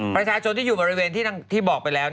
ประชาชนที่อยู่บริเวณที่บอกไปแล้ว